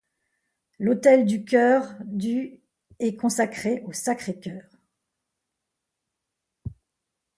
L'autel du chœur du est consacré au Sacré-Cœur.